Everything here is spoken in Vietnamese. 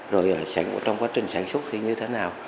rồi trong quá trình sản xuất thì như thế nào